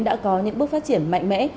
đã có những bước phát triển mạnh mẽ